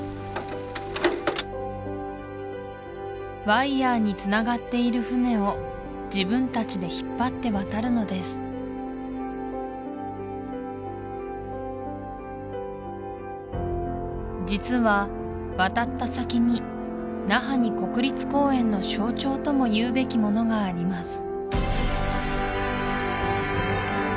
ワイヤにつながっている船を自分たちで引っ張って渡るのです実は渡った先にナハニ国立公園の象徴ともいうべきものがあります